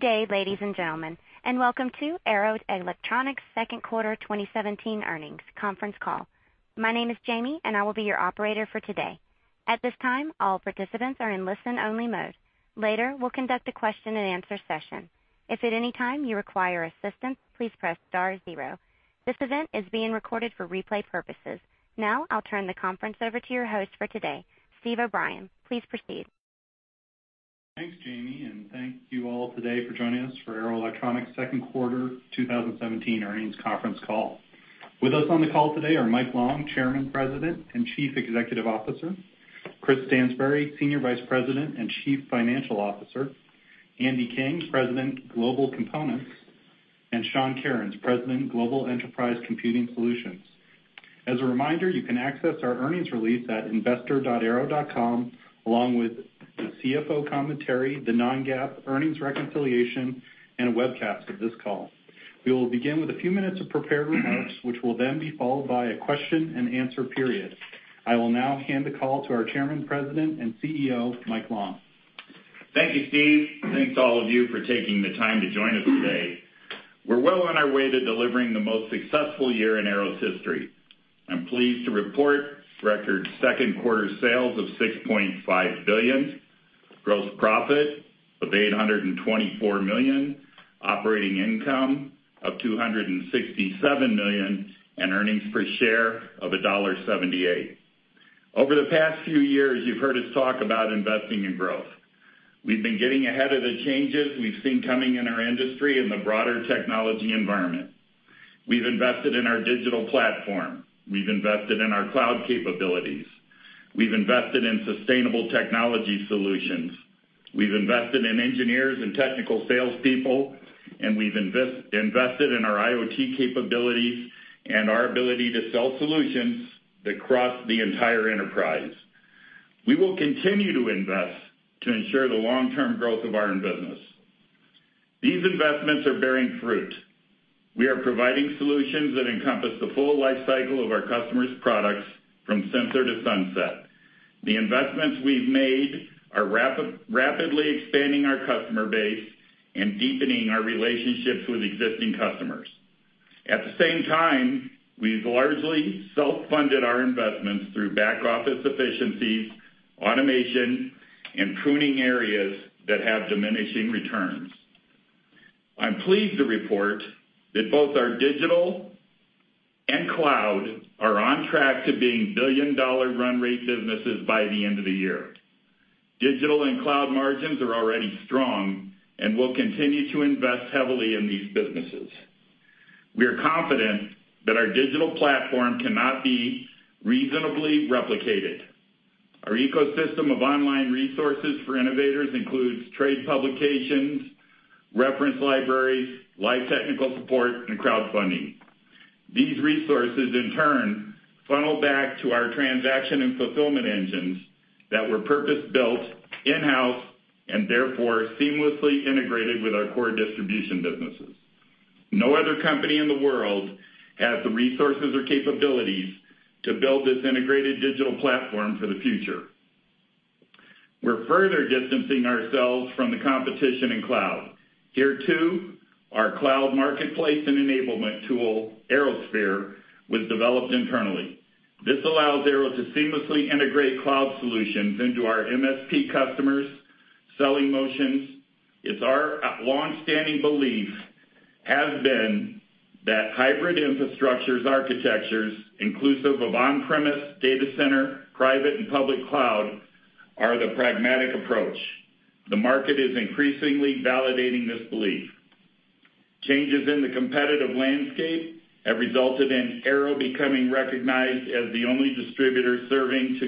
Good day, ladies and gentlemen, and welcome to Arrow Electronics' Second Quarter 2017 earnings conference call. My name is Jamie, and I will be your operator for today. At this time, all participants are in listen-only mode. Later, we'll conduct a question-and-answer session. If at any time you require assistance, please press star zero. This event is being recorded for replay purposes. Now, I'll turn the conference over to your host for today, Steve O'Brien. Please proceed. Thanks, Jamie, and thank you all today for joining us for Arrow Electronics' Second Quarter 2017 earnings conference call. With us on the call today are Mike Long, Chairman, President, and Chief Executive Officer; Chris Stansbury, Senior Vice President and Chief Financial Officer; Andy King, President, Global Components; and Sean Kerins, President, Global Enterprise Computing Solutions. As a reminder, you can access our earnings release at investor.arrow.com, along with the CFO commentary, the non-GAAP earnings reconciliation, and a webcast of this call. We will begin with a few minutes of prepared remarks, which will then be followed by a question-and-answer period. I will now hand the call to our Chairman, President, and CEO, Mike Long. Thank you, Steve. Thanks to all of you for taking the time to join us today. We're well on our way to delivering the most successful year in Arrow's history. I'm pleased to report record second quarter sales of $6.5 billion, gross profit of $824 million, operating income of $267 million, and earnings per share of $1.78. Over the past few years, you've heard us talk about investing in growth. We've been getting ahead of the changes we've seen coming in our industry and the broader technology environment. We've invested in our digital platform. We've invested in our cloud capabilities. We've invested in sustainable technology solutions. We've invested in engineers and technical salespeople, and we've invested in our IoT capabilities and our ability to sell solutions that cross the entire enterprise. We will continue to invest to ensure the long-term growth of our business. These investments are bearing fruit. We are providing solutions that encompass the full lifecycle of our customers' products from sense to sunset. The investments we've made are rapidly expanding our customer base and deepening our relationships with existing customers. At the same time, we've largely self-funded our investments through back-office efficiencies, automation, and pruning areas that have diminishing returns. I'm pleased to report that both our digital and cloud are on track to being billion-dollar run-rate businesses by the end of the year. Digital and cloud margins are already strong, and we'll continue to invest heavily in these businesses. We are confident that our digital platform cannot be reasonably replicated. Our ecosystem of online resources for innovators includes trade publications, reference libraries, live technical support, and crowdfunding. These resources, in turn, funnel back to our transaction and fulfillment engines that were purpose-built in-house and therefore seamlessly integrated with our core distribution businesses. No other company in the world has the resources or capabilities to build this integrated digital platform for the future. We're further distancing ourselves from the competition in cloud. Here, too, our cloud marketplace and enablement tool, ArrowSphere, was developed internally. This allows Arrow to seamlessly integrate cloud solutions into our MSP customers' selling motions. It's our long-standing belief, has been, that hybrid infrastructures architectures, inclusive of on-premise, data center, private, and public cloud, are the pragmatic approach. The market is increasingly validating this belief. Changes in the competitive landscape have resulted in Arrow becoming recognized as the only distributor serving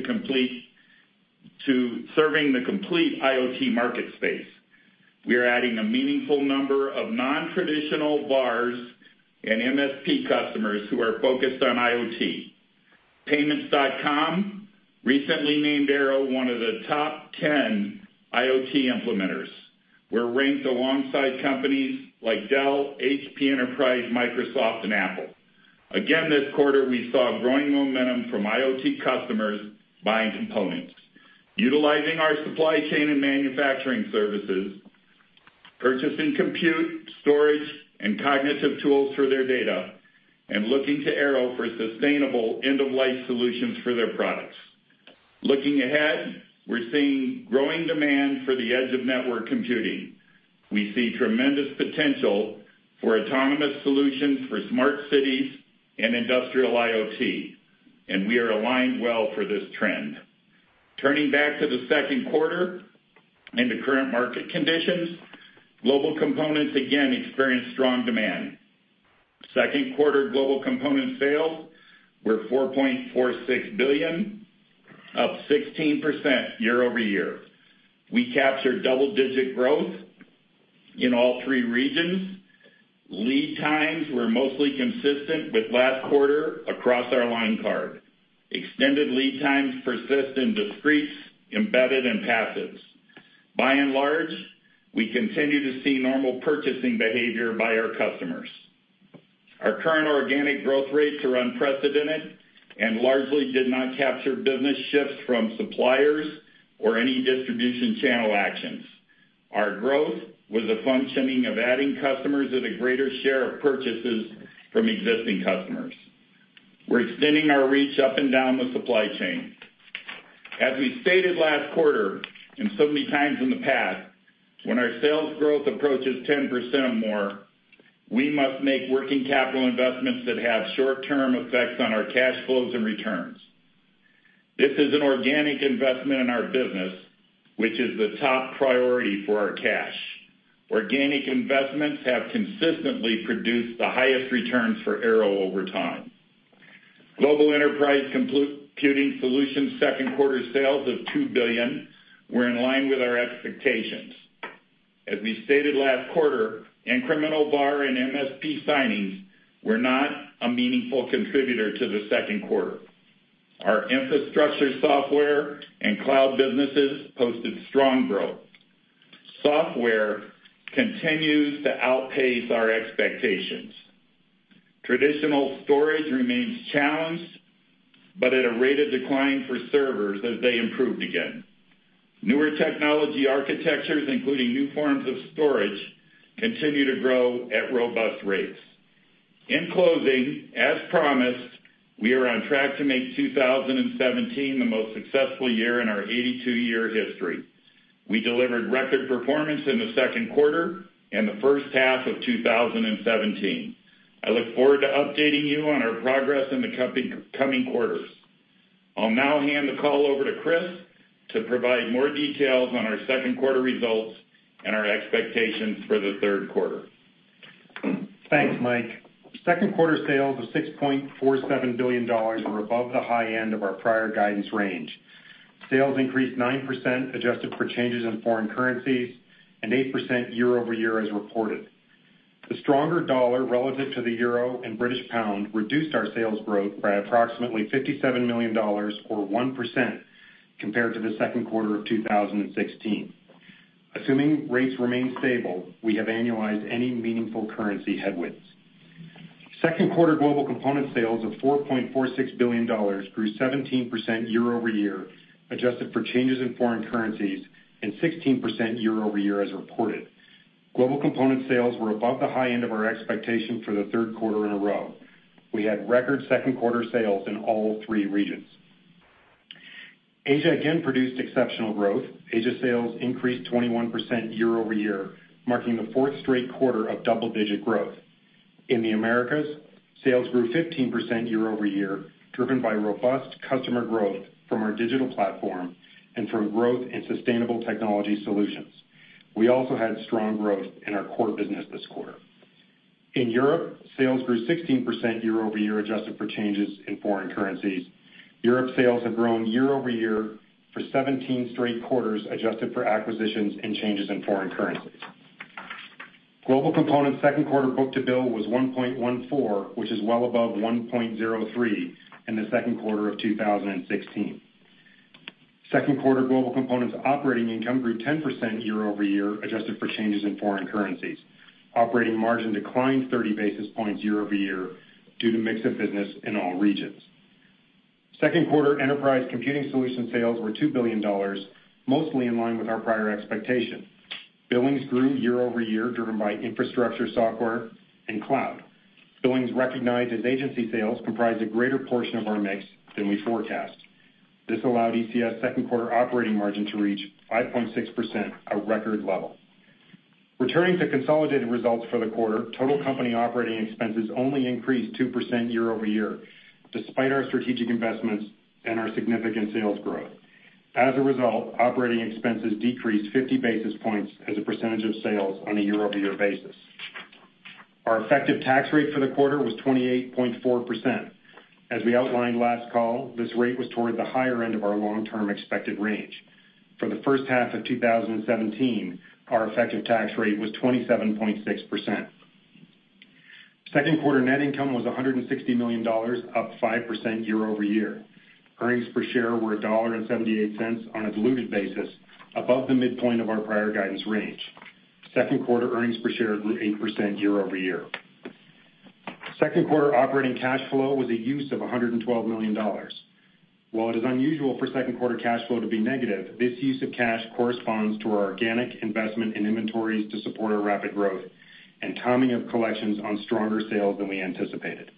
the complete IoT market space. We are adding a meaningful number of non-traditional VARs and MSP customers who are focused on IoT. PYMNTS.com recently named Arrow one of the top 10 IoT implementers. We're ranked alongside companies like Dell, HP Enterprise, Microsoft, and Apple. Again, this quarter, we saw growing momentum from IoT customers buying components, utilizing our supply chain and manufacturing services, purchasing compute, storage, and cognitive tools for their data, and looking to Arrow for sustainable end-of-life solutions for their products. Looking ahead, we're seeing growing demand for the edge-of-network computing. We see tremendous potential for autonomous solutions for smart cities and industrial IoT, and we are aligned well for this trend. Turning back to the second quarter, in the current market conditions, Global Components again experience strong demand. Second quarter Global Components sales, we're $4.46 billion, up 16% year-over-year. We captured double-digit growth in all three regions. Lead times were mostly consistent with last quarter across our line card. Extended lead times persist in discrete, embedded, and passives. By and large, we continue to see normal purchasing behavior by our customers. Our current organic growth rates are unprecedented and largely did not capture business shifts from suppliers or any distribution channel actions. Our growth was a functioning of adding customers at a greater share of purchases from existing customers. We're extending our reach up and down the supply chain. As we stated last quarter and so many times in the past, when our sales growth approaches 10% or more, we must make working capital investments that have short-term effects on our cash flows and returns. This is an organic investment in our business, which is the top priority for our cash. Organic investments have consistently produced the highest returns for Arrow over time. Global Enterprise Computing Solutions' second quarter sales of $2 billion were in line with our expectations. As we stated last quarter, incremental VAR and MSP signings were not a meaningful contributor to the second quarter. Our infrastructure software and cloud businesses posted strong growth. Software continues to outpace our expectations. Traditional storage remains challenged, but at a rate of decline for servers as they improved again. Newer technology architectures, including new forms of storage, continue to grow at robust rates. In closing, as promised, we are on track to make 2017 the most successful year in our 82-year history. We delivered record performance in the second quarter and the first half of 2017. I look forward to updating you on our progress in the coming quarters. I'll now hand the call over to Chris to provide more details on our second quarter results and our expectations for the third quarter. Thanks, Mike. Second quarter sales of $6.47 billion were above the high end of our prior guidance range. Sales increased 9% adjusted for changes in foreign currencies and 8% year-over-year as reported. The stronger dollar relative to the euro and British pound reduced our sales growth by approximately $57 million, or 1%, compared to the second quarter of 2016. Assuming rates remain stable, we have annualized any meaningful currency headwinds. Second quarter global component sales of $4.46 billion grew 17% year-over-year adjusted for changes in foreign currencies and 16% year-over-year as reported. Global component sales were above the high end of our expectation for the third quarter in a row. We had record second quarter sales in all three regions. Asia again produced exceptional growth. Asia sales increased 21% year-over-year, marking the fourth straight quarter of double-digit growth. In the Americas, sales grew 15% year-over-year, driven by robust customer growth from our digital platform and from growth in sustainable technology solutions. We also had strong growth in our core business this quarter. In Europe, sales grew 16% year-over-year adjusted for changes in foreign currencies. Europe sales have grown year-over-year for 17 straight quarters adjusted for acquisitions and changes in foreign currencies. Global Components second quarter book-to-bill was 1.14, which is well above 1.03 in the second quarter of 2016. Second quarter Global Components operating income grew 10% year-over-year adjusted for changes in foreign currencies. Operating margin declined 30 basis points year-over-year due to mix of business in all regions. Second quarter Enterprise Computing Solutions sales were $2 billion, mostly in line with our prior expectation. Billings grew year-over-year, driven by infrastructure, software, and cloud. Billings recognized as agency sales comprised a greater portion of our mix than we forecast. This allowed ECS second quarter operating margin to reach 5.6%, a record level. Returning to consolidated results for the quarter, total company operating expenses only increased 2% year-over-year, despite our strategic investments and our significant sales growth. As a result, operating expenses decreased 50 basis points as a percentage of sales on a year-over-year basis. Our effective tax rate for the quarter was 28.4%. As we outlined last call, this rate was toward the higher end of our long-term expected range. For the first half of 2017, our effective tax rate was 27.6%. Second quarter net income was $160 million, up 5% year-over-year. Earnings per share were $1.78 on a diluted basis, above the midpoint of our prior guidance range. Second quarter earnings per share grew 8% year-over-year. Second quarter operating cash flow was a use of $112 million. While it is unusual for second quarter cash flow to be negative, this use of cash corresponds to our organic investment in inventories to support our rapid growth and timing of collections on stronger sales than we anticipated.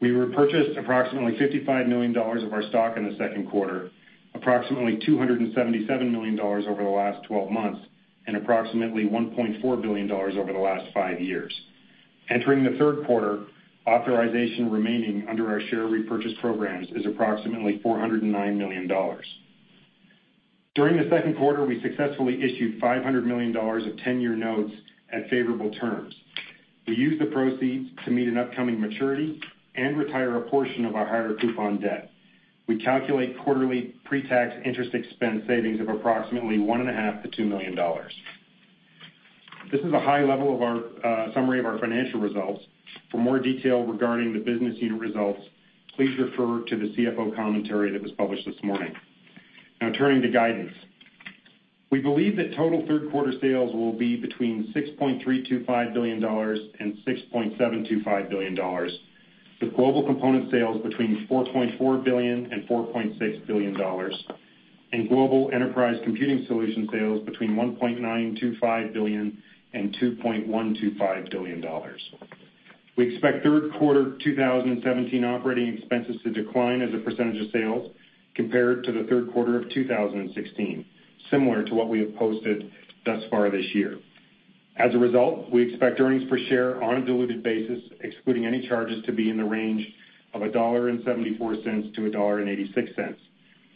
We repurchased approximately $55 million of our stock in the second quarter, approximately $277 million over the last 12 months, and approximately $1.4 billion over the last five years. Entering the third quarter, authorization remaining under our share repurchase programs is approximately $409 million. During the second quarter, we successfully issued $500 million of 10-year notes at favorable terms. We used the proceeds to meet an upcoming maturity and retire a portion of our higher coupon debt. We calculate quarterly pre-tax interest expense savings of approximately $1.5-$2 million. This is a high level of our summary of our financial results. For more detail regarding the business unit results, please refer to the CFO commentary that was published this morning. Now, turning to guidance, we believe that total third quarter sales will be between $6.325 billion-$6.725 billion, with global component sales between $4.4 billion-$4.6 billion, and global enterprise computing solution sales between $1.925 billion-$2.125 billion. We expect third quarter 2017 operating expenses to decline as a percentage of sales compared to the third quarter of 2016, similar to what we have posted thus far this year. As a result, we expect earnings per share on a diluted basis, excluding any charges, to be in the range of $1.74-$1.86.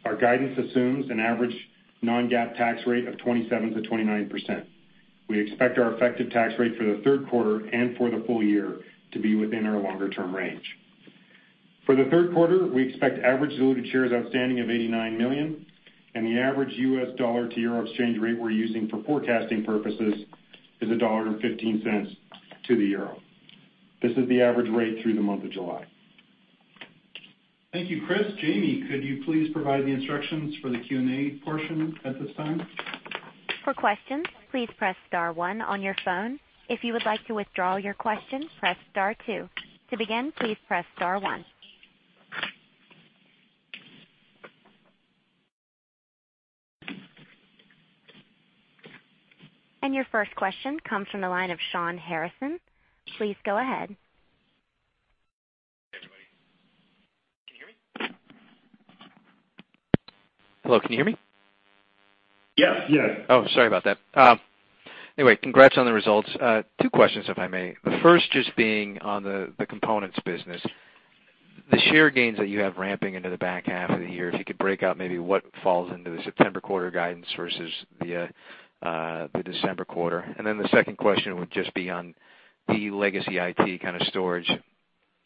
Our guidance assumes an average non-GAAP tax rate of 27%-29%. We expect our effective tax rate for the third quarter and for the full year to be within our longer-term range. For the third quarter, we expect average diluted shares outstanding of $89 million, and the average U.S. dollar-to-euro exchange rate we're using for forecasting purposes is $1.15 to the euro. This is the average rate through the month of July. Thank you, Chris. Jamie, could you please provide the instructions for the Q&A portion at this time? For questions, please press star one on your phone. If you would like to withdraw your question, press star two. To begin, please press star one. Your first question comes from the line of Shawn Harrison. Please go ahead. Hello. Can you hear me? Yes. Yes. Oh, sorry about that. Anyway, congrats on the results. Two questions, if I may. The first just being on the components business. The share gains that you have ramping into the back half of the year, if you could break out maybe what falls into the September quarter guidance versus the December quarter. And then the second question would just be on the legacy IT kind of storage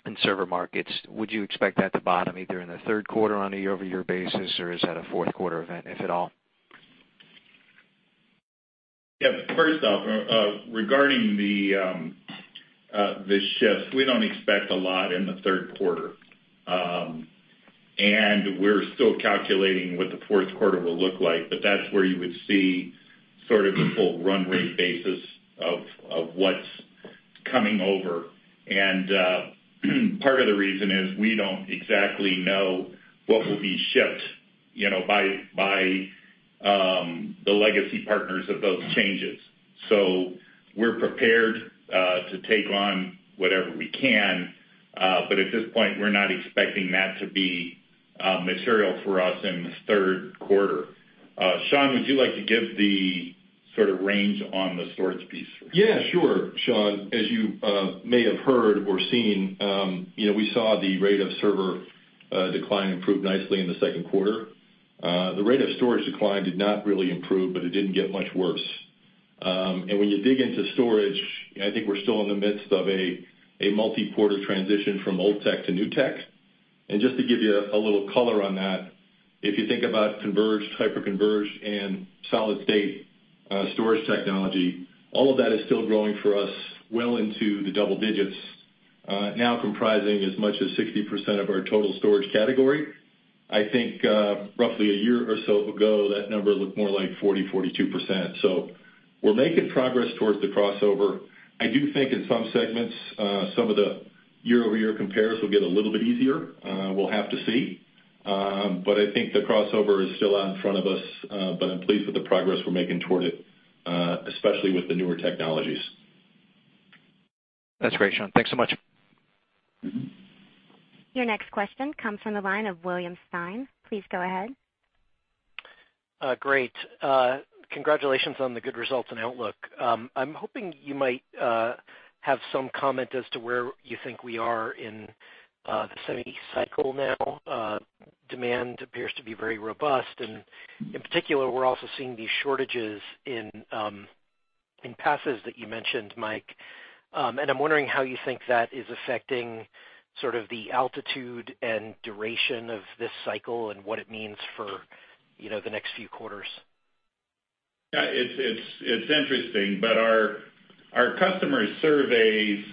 and server markets. Would you expect that to bottom either in the third quarter on a year-over-year basis, or is that a fourth quarter event, if at all? Yeah. First off, regarding the shifts, we don't expect a lot in the third quarter. And we're still calculating what the fourth quarter will look like, but that's where you would see sort of the full run rate basis of what's coming over. And part of the reason is we don't exactly know what will be shipped by the legacy partners of those changes. So we're prepared to take on whatever we can, but at this point, we're not expecting that to be material for us in the third quarter. Sean, would you like to give the sort of range on the storage piece? Yeah, sure. Shawn, as you may have heard or seen, we saw the rate of server decline improve nicely in the second quarter. The rate of storage decline did not really improve, but it didn't get much worse. And when you dig into storage, I think we're still in the midst of a multi-quarter transition from old tech to new tech. And just to give you a little color on that, if you think about converged, hyper-converged, and solid-state storage technology, all of that is still growing for us well into the double digits, now comprising as much as 60% of our total storage category. I think roughly a year or so ago, that number looked more like 40, 42%. So we're making progress towards the crossover. I do think in some segments, some of the year-over-year compares will get a little bit easier. We'll have to see. But I think the crossover is still out in front of us, but I'm pleased with the progress we're making toward it, especially with the newer technologies. That's great, Sean. Thanks so much. Your next question comes from the line of William Stein. Please go ahead. Great. Congratulations on the good results and outlook. I'm hoping you might have some comment as to where you think we are in the semi-cycle now. Demand appears to be very robust. And in particular, we're also seeing these shortages in passives that you mentioned, Mike. And I'm wondering how you think that is affecting sort of the altitude and duration of this cycle and what it means for the next few quarters. Yeah. It's interesting, but our customer surveys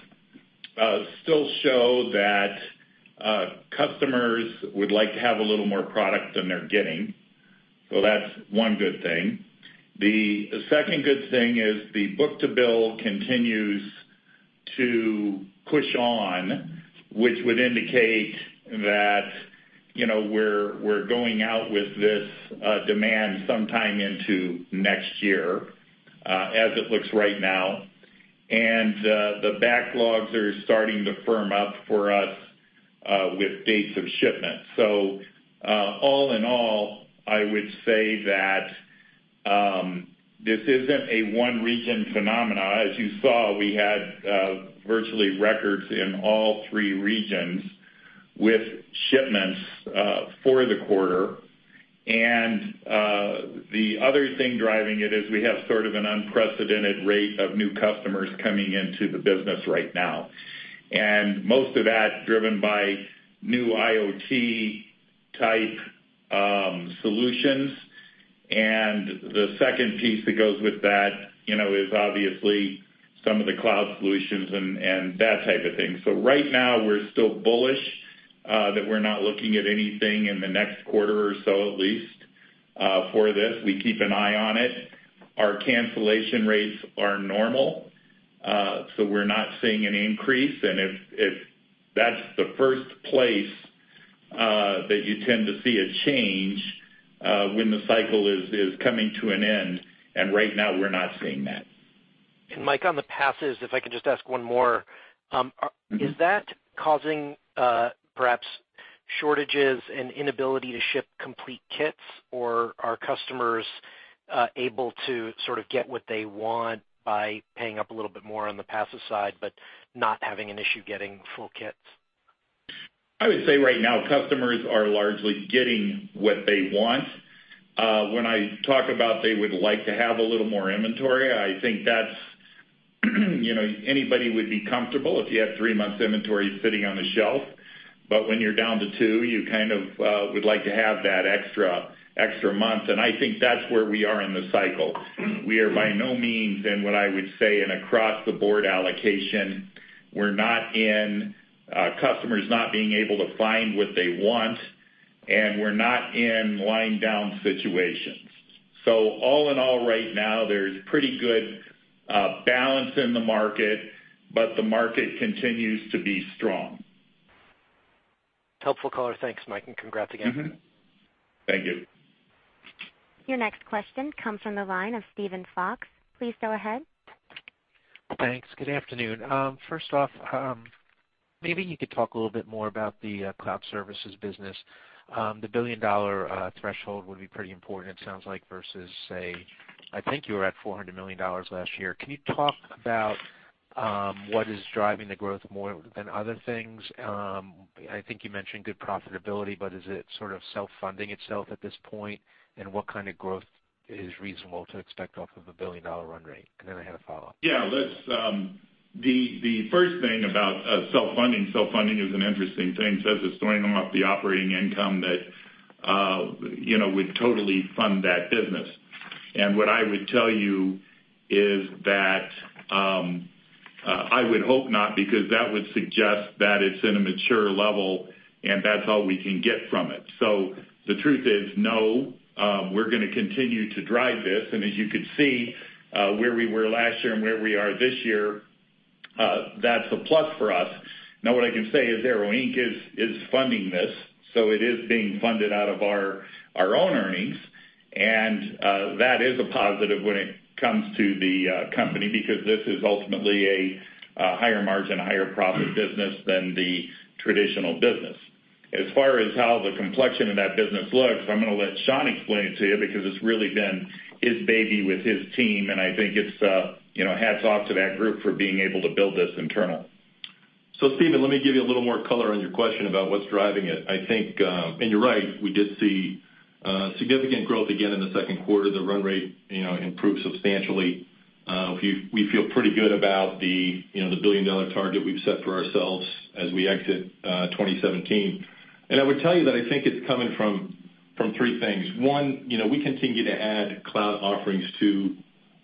still show that customers would like to have a little more product than they're getting. So that's one good thing. The second good thing is the book to bill continues to push on, which would indicate that we're going out with this demand sometime into next year, as it looks right now. And the backlogs are starting to firm up for us with dates of shipment. So all in all, I would say that this isn't a one-region phenomenon. As you saw, we had virtually records in all three regions with shipments for the quarter. And the other thing driving it is we have sort of an unprecedented rate of new customers coming into the business right now. And most of that driven by new IoT-type solutions. And the second piece that goes with that is obviously some of the cloud solutions and that type of thing. So right now, we're still bullish that we're not looking at anything in the next quarter or so, at least, for this. We keep an eye on it. Our cancellation rates are normal, so we're not seeing an increase. And if that's the first place that you tend to see a change when the cycle is coming to an end, and right now, we're not seeing that. Mike, on the passives, if I can just ask one more, is that causing perhaps shortages and inability to ship complete kits, or are customers able to sort of get what they want by paying up a little bit more on the passives side but not having an issue getting full kits? I would say right now, customers are largely getting what they want. When I talk about they would like to have a little more inventory, I think that's anybody would be comfortable if you had three months' inventory sitting on the shelf. But when you're down to two, you kind of would like to have that extra month. And I think that's where we are in the cycle. We are by no means in what I would say an across-the-board allocation. We're not in customers not being able to find what they want, and we're not in line-down situations. So all in all, right now, there's pretty good balance in the market, but the market continues to be strong. Helpful color. Thanks, Mike. And congrats again. Thank you. Your next question comes from the line of Steven Fox. Please go ahead. Thanks. Good afternoon. First off, maybe you could talk a little bit more about the cloud services business. The billion-dollar threshold would be pretty important, it sounds like, versus, say, I think you were at $400 million last year. Can you talk about what is driving the growth more than other things? I think you mentioned good profitability, but is it sort of self-funding itself at this point, and what kind of growth is reasonable to expect off of a billion-dollar run rate? And then I had a follow-up. Yeah. The first thing about self-funding, self-funding is an interesting thing, says it's throwing off the operating income that would totally fund that business. And what I would tell you is that I would hope not because that would suggest that it's in a mature level, and that's all we can get from it. So the truth is no. We're going to continue to drive this. And as you could see, where we were last year and where we are this year, that's a plus for us. Now, what I can say is Arrow Inc is funding this, so it is being funded out of our own earnings. And that is a positive when it comes to the company because this is ultimately a higher-margin, higher-profit business than the traditional business. As far as how the complexion of that business looks, I'm going to let Sean explain it to you because it's really been his baby with his team, and I think it's hats off to that group for being able to build this internal. So Steven, let me give you a little more color on your question about what's driving it. I think, and you're right, we did see significant growth again in the second quarter. The run rate improved substantially. We feel pretty good about the billion-dollar target we've set for ourselves as we exit 2017. And I would tell you that I think it's coming from three things. One, we continue to add cloud offerings to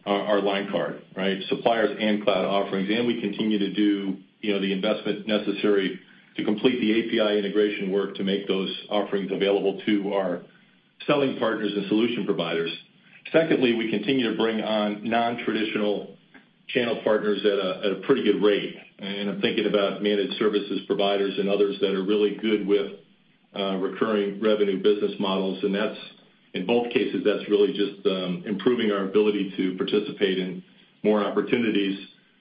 our line card, right? Suppliers and cloud offerings. And we continue to do the investment necessary to complete the API integration work to make those offerings available to our selling partners and solution providers. Secondly, we continue to bring on non-traditional channel partners at a pretty good rate. And I'm thinking about managed services providers and others that are really good with recurring revenue business models. In both cases, that's really just improving our ability to participate in more opportunities.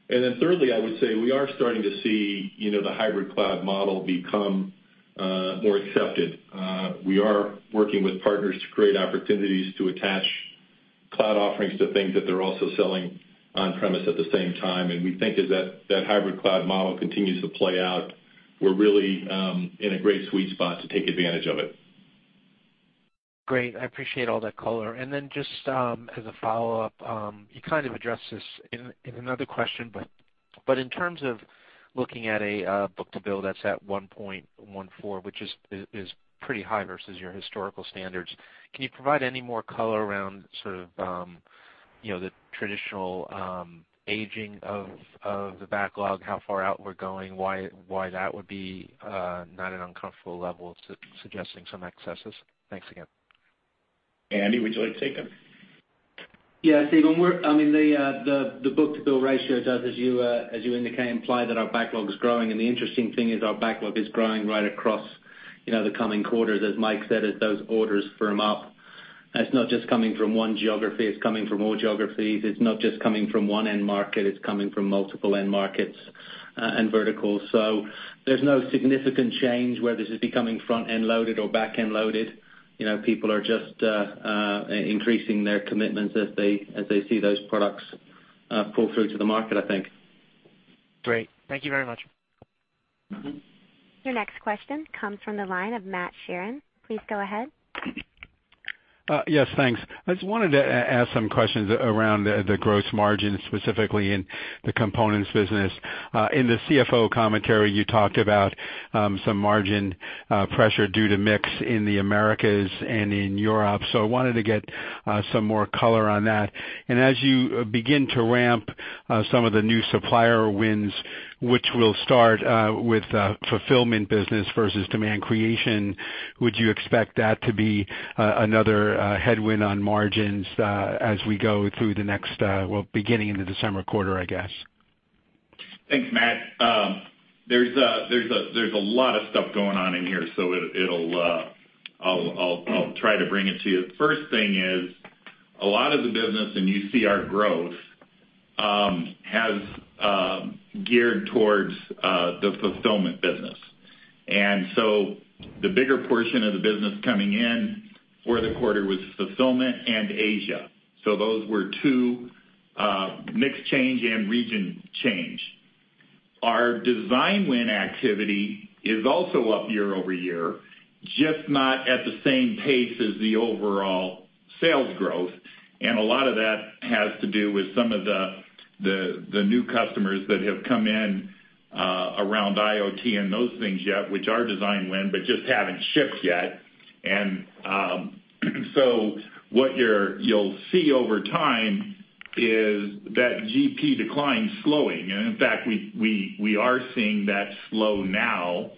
And then thirdly, I would say we are starting to see the hybrid cloud model become more accepted. We are working with partners to create opportunities to attach cloud offerings to things that they're also selling on-premises at the same time. And we think as that hybrid cloud model continues to play out, we're really in a great sweet spot to take advantage of it. Great. I appreciate all that color. And then just as a follow-up, you kind of addressed this in another question, but in terms of looking at a Book to Bill that's at 1.14, which is pretty high versus your historical standards, can you provide any more color around sort of the traditional aging of the backlog, how far out we're going, why that would be not an uncomfortable level suggesting some excesses? Thanks again. Andy, would you like to take it? Yeah. Steven, I mean, the Book to Bill ratio does, as you indicate, imply that our backlog is growing. And the interesting thing is our backlog is growing right across the coming quarters. As Mike said, as those orders firm up, it's not just coming from one geography. It's coming from all geographies. It's not just coming from one end market. It's coming from multiple end markets and verticals. So there's no significant change whether this is becoming front-end loaded or back-end loaded. People are just increasing their commitments as they see those products pull through to the market, I think. Great. Thank you very much. Your next question comes from the line of Matt Sheerin. Please go ahead. Yes, thanks. I just wanted to ask some questions around the gross margin, specifically in the components business. In the CFO commentary, you talked about some margin pressure due to mix in the Americas and in Europe. So I wanted to get some more color on that. And as you begin to ramp some of the new supplier wins, which will start with fulfillment business versus demand creation, would you expect that to be another headwind on margins as we go through the next, well, beginning of the December quarter, I guess? Thanks, Matt. There's a lot of stuff going on in here, so I'll try to bring it to you. The first thing is a lot of the business, and you see our growth, has geared towards the fulfillment business. So the bigger portion of the business coming in for the quarter was fulfillment and Asia. So those were two mixed change and region change. Our design win activity is also up year-over-year, just not at the same pace as the overall sales growth. And a lot of that has to do with some of the new customers that have come in around IoT and those things yet, which are design win, but just haven't shipped yet. And so what you'll see over time is that GP decline slowing. And in fact, we are seeing that slow now.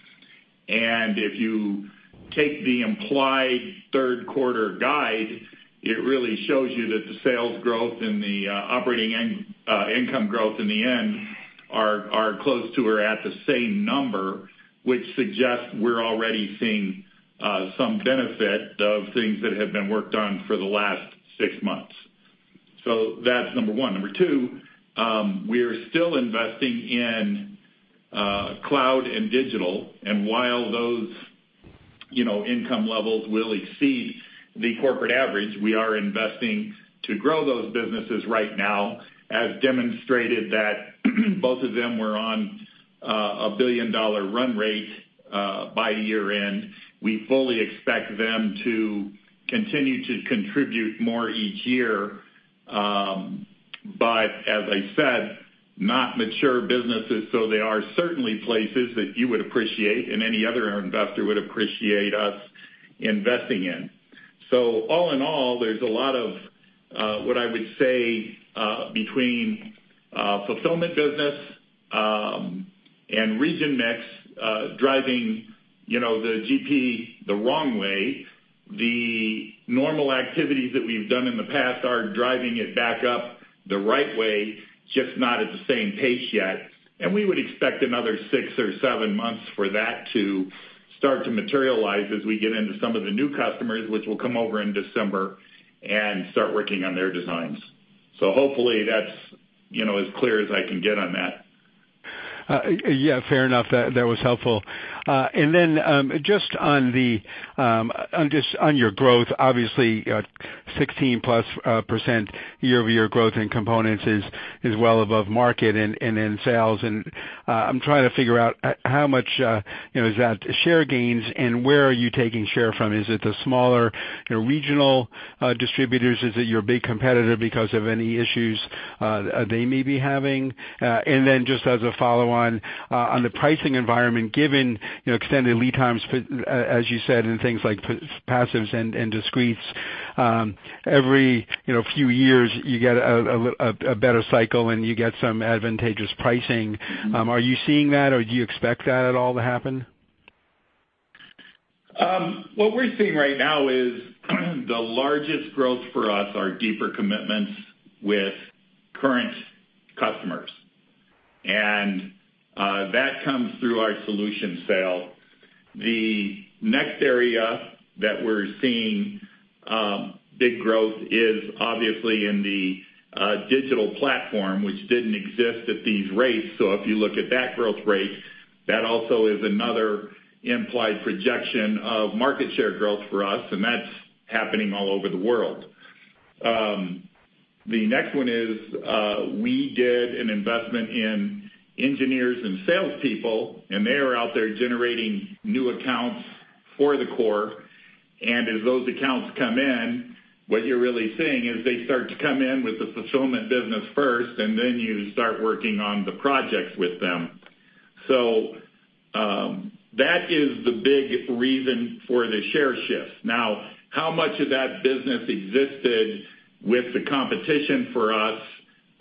If you take the implied third quarter guide, it really shows you that the sales growth and the operating income growth in the end are close to or at the same number, which suggests we're already seeing some benefit of things that have been worked on for the last six months. That's number one. Number two, we are still investing in cloud and digital. While those income levels will exceed the corporate average, we are investing to grow those businesses right now, as demonstrated that both of them were on a billion-dollar run rate by year-end. We fully expect them to continue to contribute more each year. As I said, not mature businesses, so they are certainly places that you would appreciate and any other investor would appreciate us investing in. So all in all, there's a lot of what I would say between fulfillment business and region mix driving the GP the wrong way. The normal activities that we've done in the past are driving it back up the right way, just not at the same pace yet. We would expect another six or seven months for that to start to materialize as we get into some of the new customers, which will come over in December and start working on their designs. So hopefully, that's as clear as I can get on that. Yeah. Fair enough. That was helpful. And then just on your growth, obviously, 16%+ year-over-year growth in components is well above market and in sales. And I'm trying to figure out how much is that share gains, and where are you taking share from? Is it the smaller regional distributors? Is it your big competitor because of any issues they may be having? And then just as a follow-on, on the pricing environment, given extended lead times, as you said, and things like passives and discretes, every few years, you get a better cycle, and you get some advantageous pricing. Are you seeing that, or do you expect that at all to happen? What we're seeing right now is the largest growth for us are deeper commitments with current customers. And that comes through our solution sale. The next area that we're seeing big growth is obviously in the digital platform, which didn't exist at these rates. So if you look at that growth rate, that also is another implied projection of market share growth for us, and that's happening all over the world. The next one is we did an investment in engineers and salespeople, and they are out there generating new accounts for the core. And as those accounts come in, what you're really seeing is they start to come in with the fulfillment business first, and then you start working on the projects with them. So that is the big reason for the share shift. Now, how much of that business existed with the competition for us,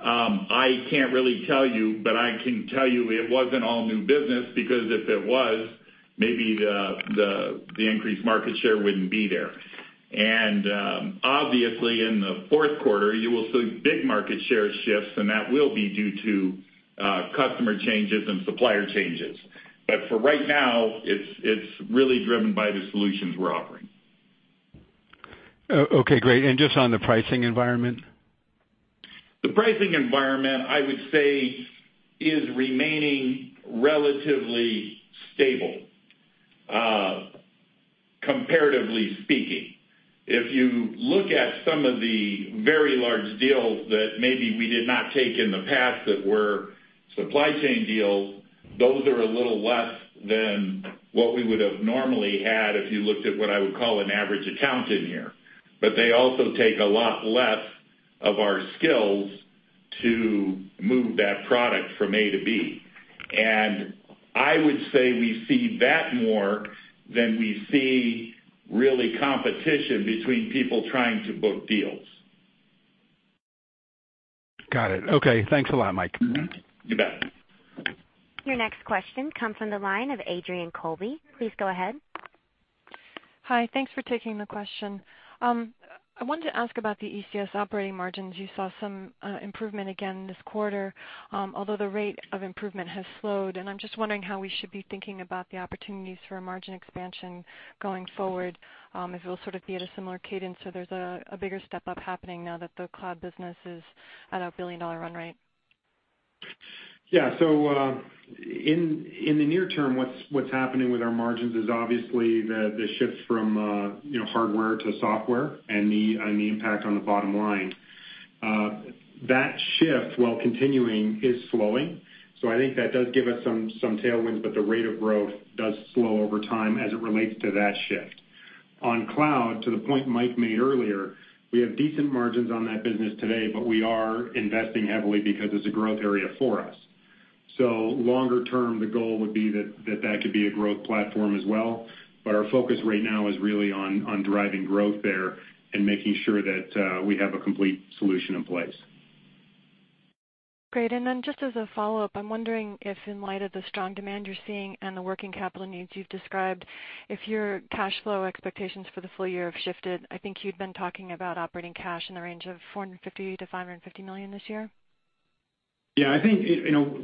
I can't really tell you, but I can tell you it wasn't all new business because if it was, maybe the increased market share wouldn't be there. Obviously, in the fourth quarter, you will see big market share shifts, and that will be due to customer changes and supplier changes. But for right now, it's really driven by the solutions we're offering. Okay. Great. And just on the pricing environment? The pricing environment, I would say, is remaining relatively stable, comparatively speaking. If you look at some of the very large deals that maybe we did not take in the past that were supply chain deals, those are a little less than what we would have normally had if you looked at what I would call an average account in here. But they also take a lot less of our skills to move that product from A-B. And I would say we see that more than we see really competition between people trying to book deals. Got it. Okay. Thanks a lot, Mike. You bet. Your next question comes from the line of Adrienne Colby. Please go ahead. Hi. Thanks for taking the question. I wanted to ask about the ECS operating margins. You saw some improvement again this quarter, although the rate of improvement has slowed. And I'm just wondering how we should be thinking about the opportunities for margin expansion going forward if it'll sort of be at a similar cadence or there's a bigger step up happening now that the cloud business is at a billion-dollar run rate? Yeah. So in the near term, what's happening with our margins is obviously the shift from hardware to software and the impact on the bottom line. That shift, while continuing, is slowing. So I think that does give us some tailwinds, but the rate of growth does slow over time as it relates to that shift. On cloud, to the point Mike made earlier, we have decent margins on that business today, but we are investing heavily because it's a growth area for us. So longer term, the goal would be that that could be a growth platform as well. But our focus right now is really on driving growth there and making sure that we have a complete solution in place. Great. And then just as a follow-up, I'm wondering if in light of the strong demand you're seeing and the working capital needs you've described, if your cash flow expectations for the full year have shifted? I think you'd been talking about operating cash in the range of $450 million-$550 million this year. Yeah. I think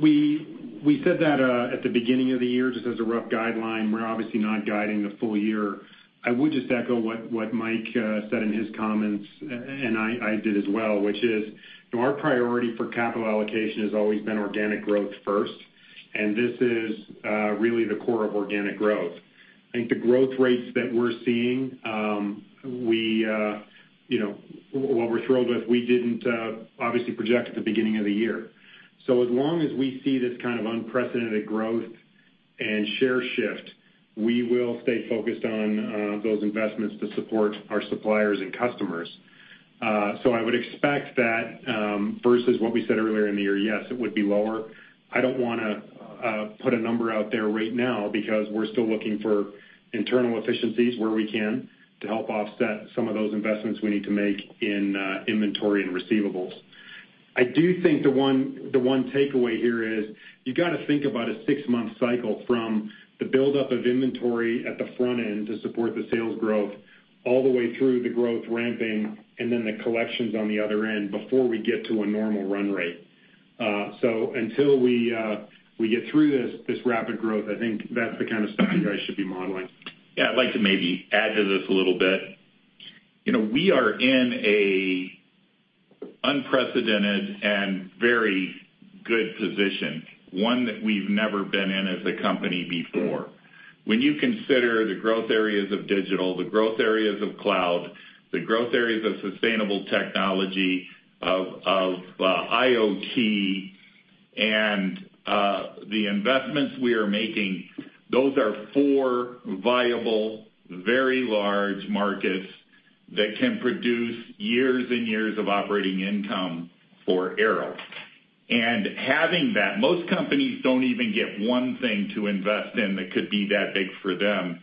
we said that at the beginning of the year just as a rough guideline. We're obviously not guiding the full year. I would just echo what Mike said in his comments, and I did as well, which is our priority for capital allocation has always been organic growth first. This is really the core of organic growth. I think the growth rates that we're seeing, while we're thrilled with, we didn't obviously project at the beginning of the year. So as long as we see this kind of unprecedented growth and share shift, we will stay focused on those investments to support our suppliers and customers. So I would expect that versus what we said earlier in the year, yes, it would be lower. I don't want to put a number out there right now because we're still looking for internal efficiencies where we can to help offset some of those investments we need to make in inventory and receivables. I do think the one takeaway here is you've got to think about a six-month cycle from the buildup of inventory at the front end to support the sales growth all the way through the growth ramping and then the collections on the other end before we get to a normal run rate. So until we get through this rapid growth, I think that's the kind of stuff you guys should be modeling. Yeah. I'd like to maybe add to this a little bit. We are in an unprecedented and very good position, one that we've never been in as a company before. When you consider the growth areas of digital, the growth areas of cloud, the growth areas of sustainable technology, of IoT, and the investments we are making, those are four viable, very large markets that can produce years and years of operating income for Arrow. Having that, most companies don't even get one thing to invest in that could be that big for them.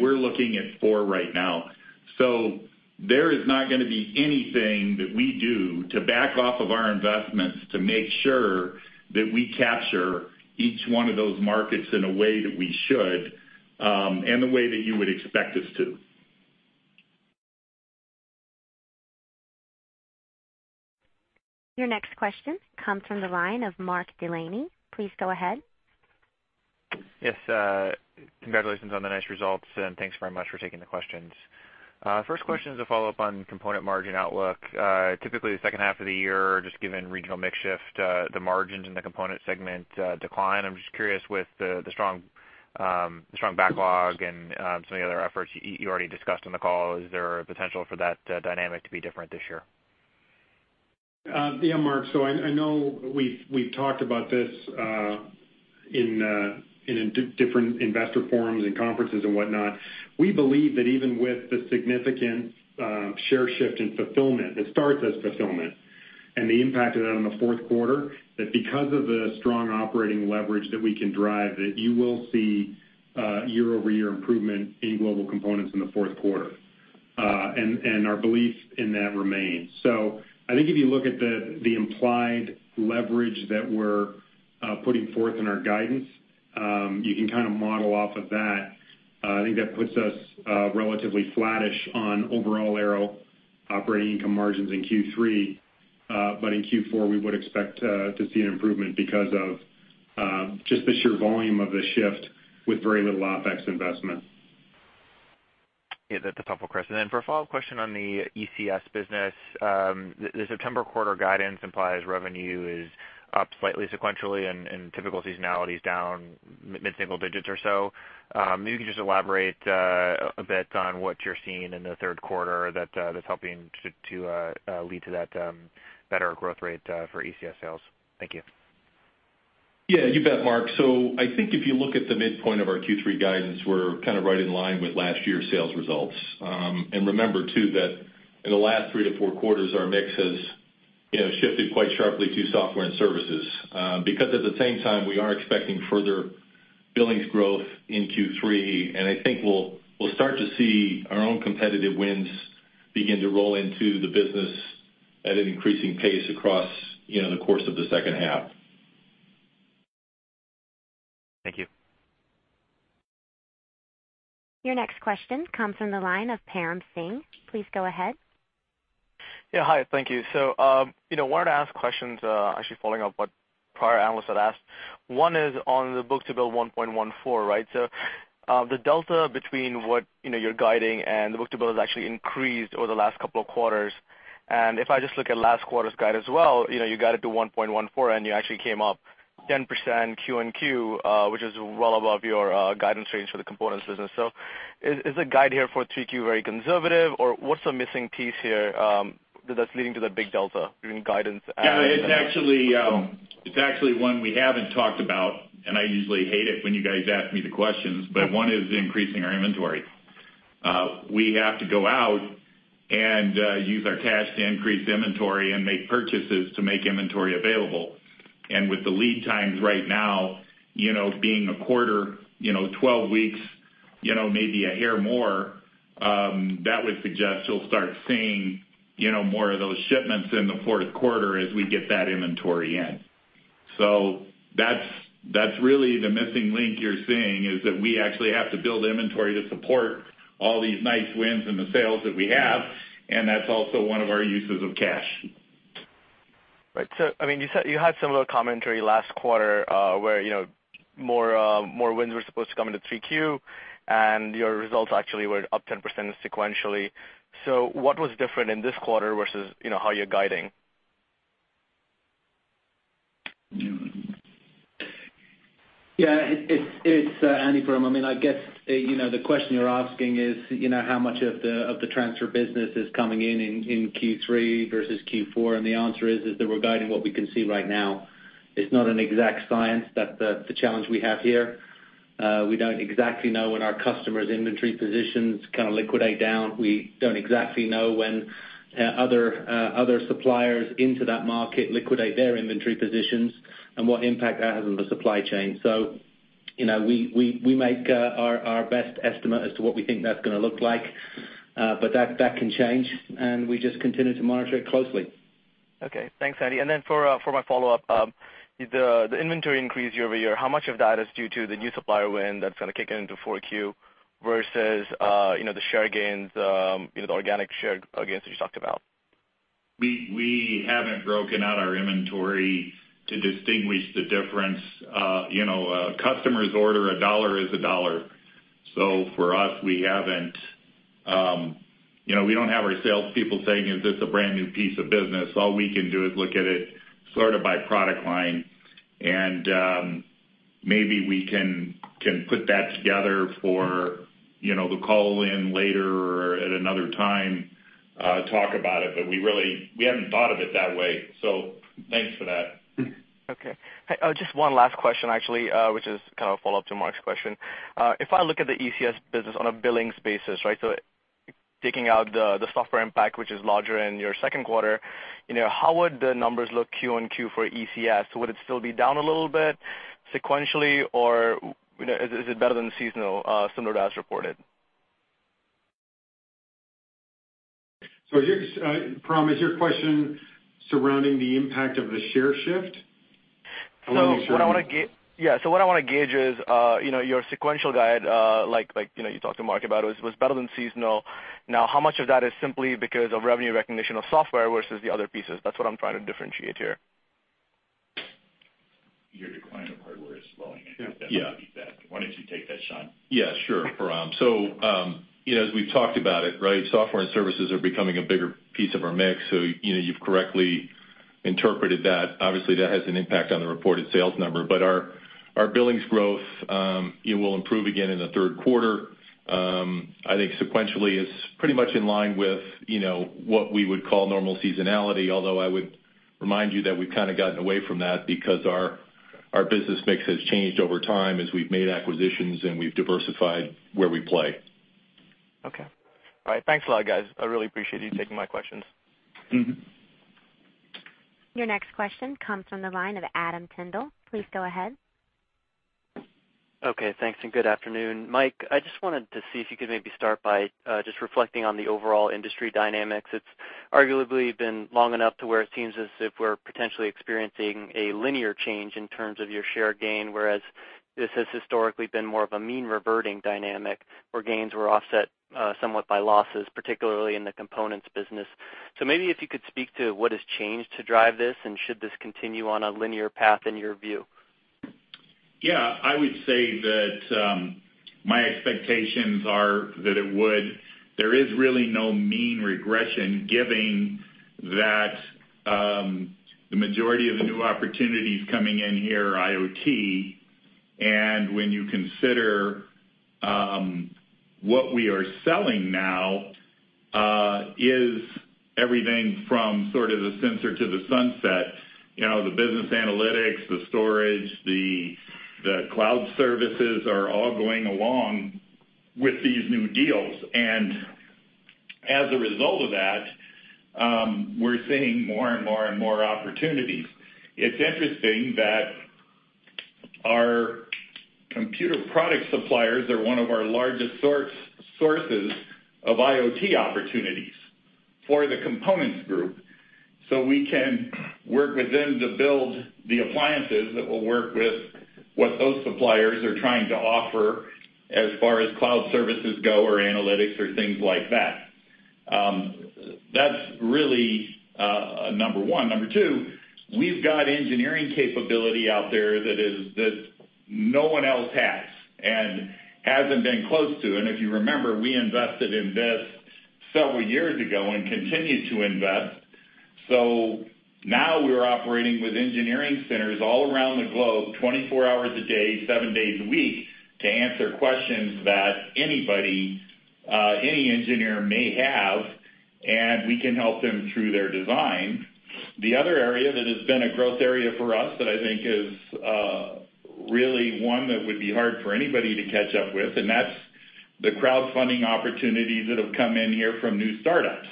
We're looking at four right now. There is not going to be anything that we do to back off of our investments to make sure that we capture each one of those markets in a way that we should and the way that you would expect us to. Your next question comes from the line of Mark Delaney. Please go ahead. Yes. Congratulations on the nice results, and thanks very much for taking the questions. First question is a follow-up on component margin outlook. Typically, the second half of the year, just given regional mix shift, the margins in the component segment decline. I'm just curious with the strong backlog and some of the other efforts you already discussed on the call, is there a potential for that dynamic to be different this year? Yeah, Mark. I know we've talked about this in different investor forums and conferences and whatnot. We believe that even with the significant share shift in fulfillment that starts as fulfillment and the impact of that on the fourth quarter, that because of the strong operating leverage that we can drive, that you will see year-over-year improvement in global components in the fourth quarter. Our belief in that remains. I think if you look at the implied leverage that we're putting forth in our guidance, you can kind of model off of that. I think that puts us relatively flattish on overall Arrow operating income margins in Q3. But in Q4, we would expect to see an improvement because of just the sheer volume of the shift with very little OpEx investment. Yeah. That's a thoughtful question. Then for a follow-up question on the ECS business, the September quarter guidance implies revenue is up slightly sequentially and typical seasonality is down mid-single digits or so. Maybe you can just elaborate a bit on what you're seeing in the third quarter that's helping to lead to that better growth rate for ECS sales? Thank you. Yeah. You bet, Mark. So I think if you look at the midpoint of our Q3 guidance, we're kind of right in line with last year's sales results. And remember too that in the last 3-4 quarters, our mix has shifted quite sharply to software and services because at the same time, we are expecting further billings growth in Q3. And I think we'll start to see our own competitive wins begin to roll into the business at an increasing pace across the course of the second half. Thank you. Your next question comes from the line of Param Singh. Please go ahead. Yeah. Hi. Thank you. Wanted to ask questions actually following up what prior analysts had asked. One is on the book to bill 1.14, right? So the delta between what you're guiding and the book to bill has actually increased over the last couple of quarters. If I just look at last quarter's guide as well, you guided to 1.14, and you actually came up 10% Q&Q, which is well above your guidance range for the components business. So is the guide here for 3Q very conservative, or what's the missing piece here that's leading to the big delta between guidance and? Yeah. It's actually one we haven't talked about, and I usually hate it when you guys ask me the questions, but one is increasing our inventory. We have to go out and use our cash to increase inventory and make purchases to make inventory available. And with the lead times right now being a quarter, 12 weeks, maybe a hair more, that would suggest you'll start seeing more of those shipments in the fourth quarter as we get that inventory in. So that's really the missing link you're seeing is that we actually have to build inventory to support all these nice wins in the sales that we have, and that's also one of our uses of cash. Right. So I mean, you had similar commentary last quarter where more wins were supposed to come into 3Q, and your results actually were up 10% sequentially. So what was different in this quarter versus how you're guiding? Yeah. It's any form. I mean, I guess the question you're asking is how much of the transfer business is coming in in Q3 versus Q4. And the answer is that we're guiding what we can see right now. It's not an exact science. That's the challenge we have here. We don't exactly know when our customers' inventory positions kind of liquidate down. We don't exactly know when other suppliers into that market liquidate their inventory positions and what impact that has on the supply chain. So we make our best estimate as to what we think that's going to look like, but that can change, and we just continue to monitor it closely. Okay. Thanks, Andy. And then for my follow-up, the inventory increase year over year, how much of that is due to the new supplier win that's going to kick into 4Q versus the share gains, the organic share gains that you talked about? We haven't broken out our inventory to distinguish the difference. Customers order a dollar is a dollar. So for us, we haven't—we don't have our salespeople saying, "Is this a brand new piece of business?" All we can do is look at it sort of by product line. And maybe we can put that together for the call-in later or at another time, talk about it. But we haven't thought of it that way. So thanks for that. Okay. Just one last question, actually, which is kind of a follow-up to Mark's question. If I look at the ECS business on a billings basis, right, so taking out the software impact, which is larger in your second quarter, how would the numbers look Q&Q for ECS? Would it still be down a little bit sequentially, or is it better than seasonal, similar to as reported? Param, is your question surrounding the impact of the share shift? So what I want to gauge is your sequential guide, like you talked to Mark about, was better than seasonal. Now, how much of that is simply because of revenue recognition of software versus the other pieces? That's what I'm trying to differentiate here. Your decline of hardware is slowing. I think that's what you said. Why don't you take that, Sean? Yeah. Sure. So as we've talked about it, right, software and services are becoming a bigger piece of our mix. So you've correctly interpreted that. Obviously, that has an impact on the reported sales number. But our billings growth will improve again in the third quarter. I think sequentially is pretty much in line with what we would call normal seasonality, although I would remind you that we've kind of gotten away from that because our business mix has changed over time as we've made acquisitions and we've diversified where we play. Okay. All right. Thanks a lot, guys. I really appreciate you taking my questions. Your next question comes from the line of Adam Tindle. Please go ahead. Okay. Thanks. Good afternoon. Mike, I just wanted to see if you could maybe start by just reflecting on the overall industry dynamics. It's arguably been long enough to where it seems as if we're potentially experiencing a linear change in terms of your share gain, whereas this has historically been more of a mean reverting dynamic where gains were offset somewhat by losses, particularly in the components business. So maybe if you could speak to what has changed to drive this and should this continue on a linear path in your view? Yeah. I would say that my expectations are that it would. There is really no mean regression given that the majority of the new opportunities coming in here are IoT. And when you consider what we are selling now is everything from sort of the sensor to the sunset, the business analytics, the storage, the cloud services are all going along with these new deals. And as a result of that, we're seeing more and more and more opportunities. It's interesting that our computer product suppliers are one of our largest sources of IoT opportunities for the components group. So we can work with them to build the appliances that will work with what those suppliers are trying to offer as far as cloud services go or analytics or things like that. That's really number one. Number two, we've got engineering capability out there that no one else has and hasn't been close to. If you remember, we invested in this several years ago and continue to invest. Now we're operating with engineering centers all around the globe, 24 hours a day, seven days a week to answer questions that anybody, any engineer may have, and we can help them through their design. The other area that has been a growth area for us that I think is really one that would be hard for anybody to catch up with, and that's the crowdfunding opportunities that have come in here from new startups.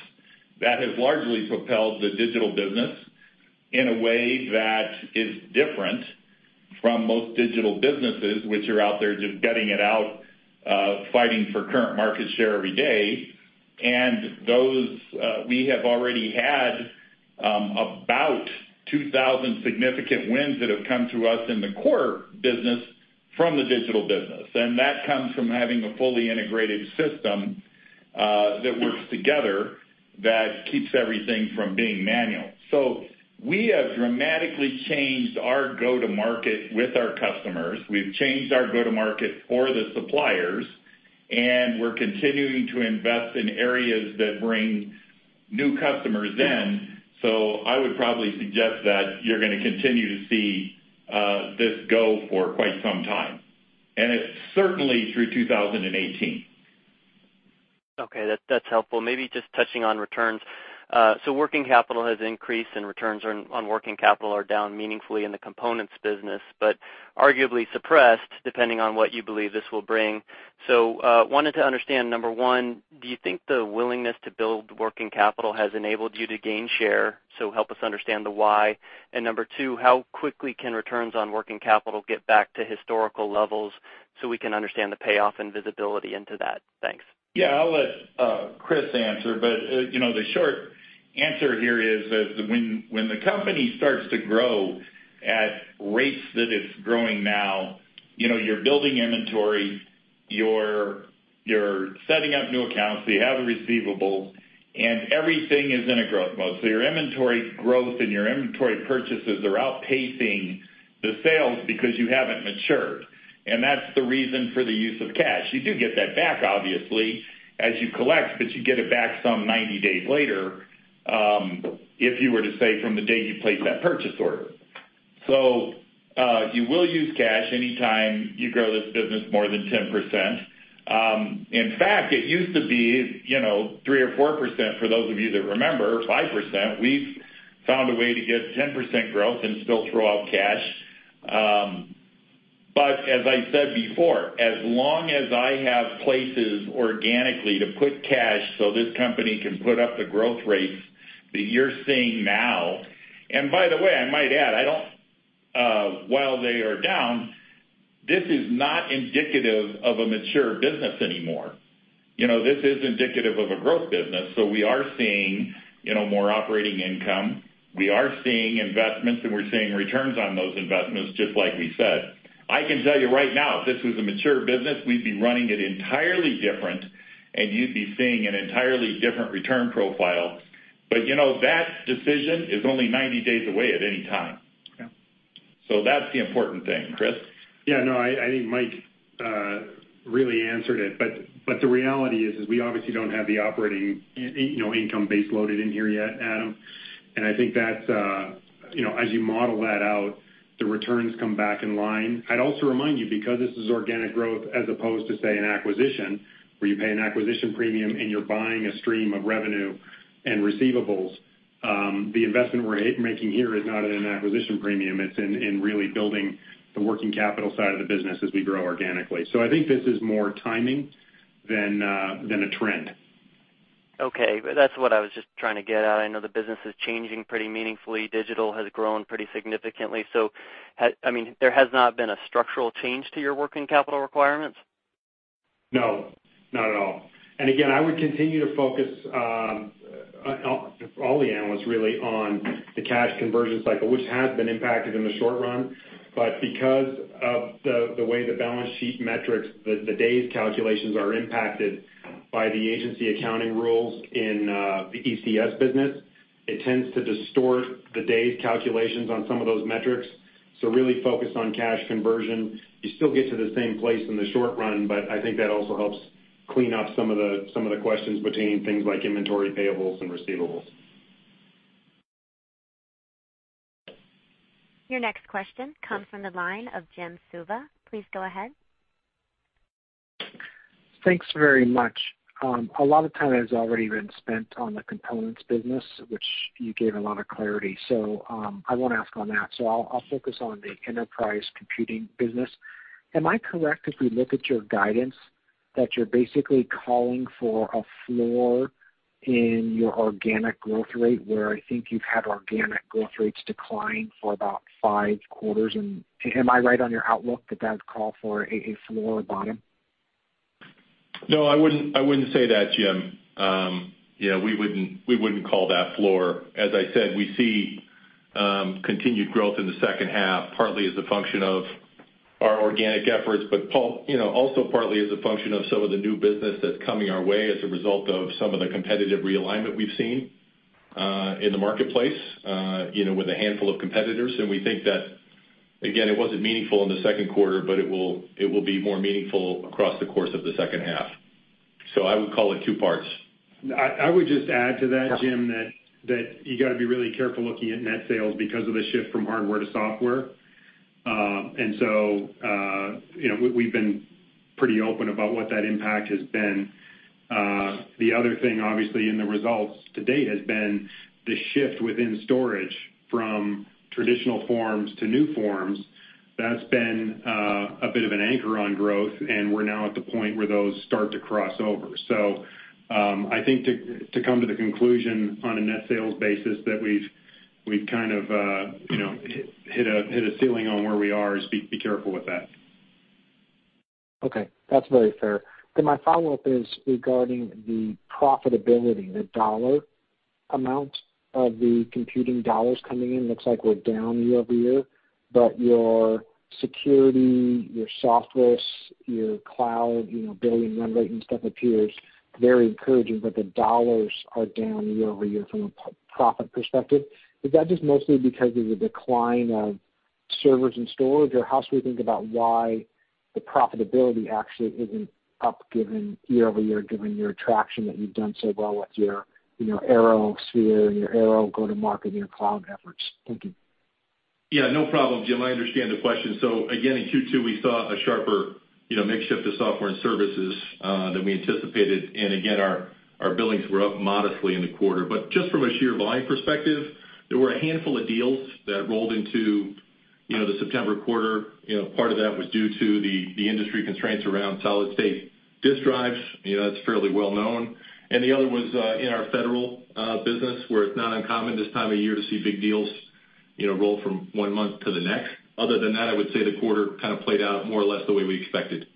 That has largely propelled the digital business in a way that is different from most digital businesses, which are out there just gutting it out, fighting for current market share every day. We have already had about 2,000 significant wins that have come to us in the core business from the digital business. That comes from having a fully integrated system that works together that keeps everything from being manual. We have dramatically changed our go-to-market with our customers. We've changed our go-to-market for the suppliers, and we're continuing to invest in areas that bring new customers in. I would probably suggest that you're going to continue to see this go for quite some time, and certainly through 2018. Okay. That's helpful. Maybe just touching on returns. So working capital has increased, and returns on working capital are down meaningfully in the components business, but arguably suppressed depending on what you believe this will bring. So wanted to understand, number one, do you think the willingness to build working capital has enabled you to gain share? So help us understand the why. And number two, how quickly can returns on working capital get back to historical levels so we can understand the payoff and visibility into that? Thanks. Yeah. I'll let Chris answer, but the short answer here is that when the company starts to grow at rates that it's growing now, you're building inventory, you're setting up new accounts, you have a receivable, and everything is in a growth mode. So your inventory growth and your inventory purchases are outpacing the sales because you haven't matured. And that's the reason for the use of cash. You do get that back, obviously, as you collect, but you get it back some 90 days later if you were to say from the day you place that purchase order. So you will use cash anytime you grow this business more than 10%. In fact, it used to be 3% or 4% for those of you that remember, 5%. We've found a way to get 10% growth and still throw out cash. But as I said before, as long as I have places organically to put cash so this company can put up the growth rates that you're seeing now. And by the way, I might add, while they are down, this is not indicative of a mature business anymore. This is indicative of a growth business. So we are seeing more operating income. We are seeing investments, and we're seeing returns on those investments, just like we said. I can tell you right now, if this was a mature business, we'd be running it entirely different, and you'd be seeing an entirely different return profile. But that decision is only 90 days away at any time. So that's the important thing, Chris. Yeah. No, I think Mike really answered it. But the reality is we obviously don't have the operating income base loaded in here yet, Adam. And I think that as you model that out, the returns come back in line. I'd also remind you, because this is organic growth as opposed to, say, an acquisition where you pay an acquisition premium and you're buying a stream of revenue and receivables, the investment we're making here is not in an acquisition premium. It's in really building the working capital side of the business as we grow organically. So I think this is more timing than a trend. Okay. That's what I was just trying to get at. I know the business is changing pretty meaningfully. Digital has grown pretty significantly. So I mean, there has not been a structural change to your working capital requirements? No. Not at all. Again, I would continue to focus all the analysts really on the cash conversion cycle, which has been impacted in the short run. But because of the way the balance sheet metrics, the days calculations are impacted by the agency accounting rules in the ECS business, it tends to distort the days calculations on some of those metrics. Really focus on cash conversion. You still get to the same place in the short run, but I think that also helps clean up some of the questions between things like inventory payables and receivables. Your next question comes from the line of Jim Suva. Please go ahead. Thanks very much. A lot of time has already been spent on the components business, which you gave a lot of clarity. So I want to ask on that. So I'll focus on the enterprise computing business. Am I correct if we look at your guidance that you're basically calling for a floor in your organic growth rate where I think you've had organic growth rates decline for about five quarters? And am I right on your outlook that that would call for a floor bottom? No, I wouldn't say that, Jim. We wouldn't call that floor. As I said, we see continued growth in the second half, partly as a function of our organic efforts, but also partly as a function of some of the new business that's coming our way as a result of some of the competitive realignment we've seen in the marketplace with a handful of competitors. And we think that, again, it wasn't meaningful in the second quarter, but it will be more meaningful across the course of the second half. So I would call it two parts. I would just add to that, Jim, that you got to be really careful looking at net sales because of the shift from hardware to software. And so we've been pretty open about what that impact has been. The other thing, obviously, in the results to date has been the shift within storage from traditional forms to new forms. That's been a bit of an anchor on growth, and we're now at the point where those start to cross over. So I think to come to the conclusion on a net sales basis that we've kind of hit a ceiling on where we are, be careful with that. Okay. That's very fair. Then my follow-up is regarding the profitability, the dollar amount of the computing dollars coming in. Looks like we're down year-over-year, but your security, your software, your cloud billing run rate and stuff appears very encouraging, but the dollars are down year-over-year from a profit perspective. Is that just mostly because of the decline of servers and storage, or how should we think about why the profitability actually isn't up year-over-year given your traction that you've done so well with your ArrowSphere and your Arrow go-to-market and your cloud efforts? Thank you. Yeah. No problem, Jim. I understand the question. So again, in Q2, we saw a sharper mix of software and services than we anticipated. And again, our billings were up modestly in the quarter. But just from a sheer volume perspective, there were a handful of deals that rolled into the September quarter. Part of that was due to the industry constraints around solid-state disk drives. That's fairly well known. And the other was in our federal business where it's not uncommon this time of year to see big deals roll from one month to the next. Other than that, I would say the quarter kind of played out more or less the way we expected.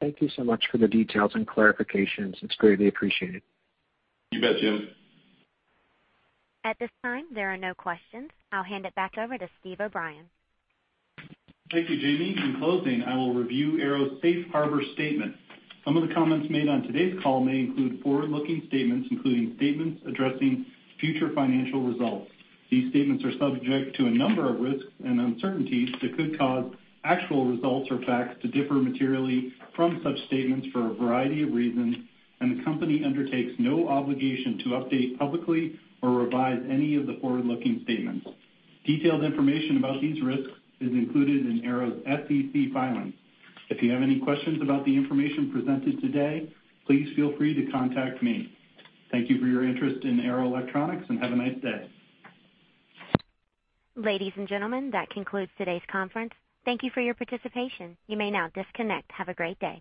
Thank you so much for the details and clarifications. It's greatly appreciated. You bet, Jim. At this time, there are no questions. I'll hand it back over to Steve O'Brien. Thank you, Jamie. In closing, I will review Arrow's safe harbor statements. Some of the comments made on today's call may include forward-looking statements, including statements addressing future financial results. These statements are subject to a number of risks and uncertainties that could cause actual results or facts to differ materially from such statements for a variety of reasons, and the company undertakes no obligation to update publicly or revise any of the forward-looking statements. Detailed information about these risks is included in Arrow's SEC filings. If you have any questions about the information presented today, please feel free to contact me. Thank you for your interest in Arrow Electronics, and have a nice day. Ladies and gentlemen, that concludes today's conference. Thank you for your participation. You may now disconnect. Have a great day.